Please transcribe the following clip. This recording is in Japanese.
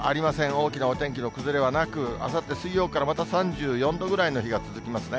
大きなお天気の崩れはなく、あさって水曜からまた３４度ぐらいの日が続きますね。